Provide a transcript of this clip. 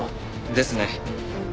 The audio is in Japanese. ですね。